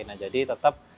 nah jadi tetap